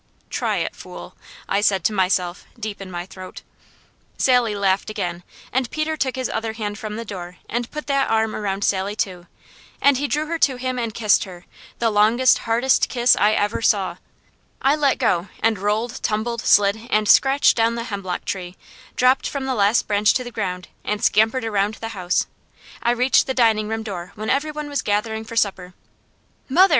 "Try it, fool!" I said to myself, deep in my throat. Sally laughed again, and Peter took his other hand from the door and put that arm around Sally too, and he drew her to him and kissed her, the longest, hardest kiss I ever saw. I let go and rolled, tumbled, slid, and scratched down the hemlock tree, dropped from the last branch to the ground, and scampered around the house. I reached the dining room door when every one was gathering for supper. "Mother!"